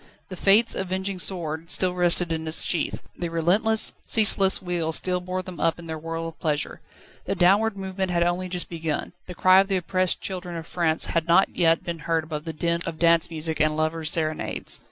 The Fates' avenging sword still rested in its sheath; the relentless, ceaseless wheel still bore them up in their whirl of pleasure; the downward movement had only just begun: the cry of the oppressed children of France had not yet been heard above the din of dance music and lovers' serenades.